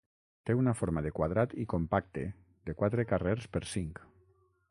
Té una forma de quadrat i compacte, de quatre carrers per cinc.